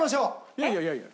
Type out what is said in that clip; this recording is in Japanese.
いやいやいやいや。